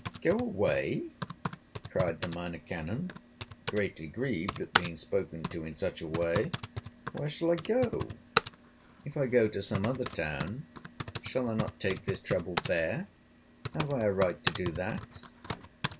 "Go away!" cried the Minor Canon, greatly grieved at being spoken to in such a way. "Where shall I go? If I go to some other town, shall I not take this trouble there? Have I a right to do that?"